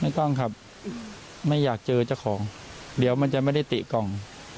กล้องครับไม่อยากเจอเจ้าของเดี๋ยวมันจะไม่ได้ติกล่อง